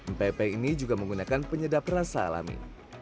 mpe mpe ini juga menggunakan penyedap rasa alami